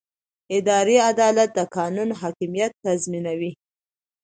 اداري عدالت د قانون حاکمیت تضمینوي.